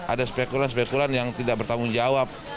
ada spekulan spekulan yang tidak bertanggung jawab